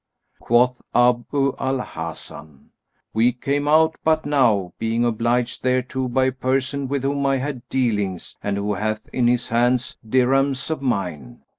Quoth Abu al Hasan, "We came out but now, being obliged thereto by a person with whom I had dealings and who hath in his hands dirhams of mine.